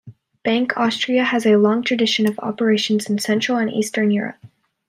Bank Austria has a long tradition of operations in central and eastern Europe.